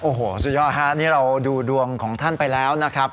โอ้โหสุดยอดฮะนี่เราดูดวงของท่านไปแล้วนะครับ